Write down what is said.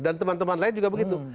dan teman teman lain juga begitu